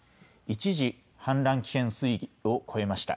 一時、氾濫危険水位を超えました。